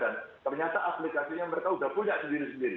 dan ternyata aplikasinya mereka sudah punya sendiri sendiri